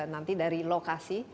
nanti dari lokasi